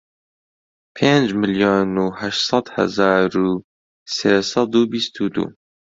پێنج ملیۆن و هەشت سەد هەزار و سێ سەد و بیست و دوو